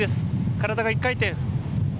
体が１回転。